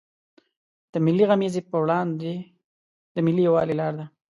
د ملي غمیزو پر وړاندې د ملي یوالي لار ده.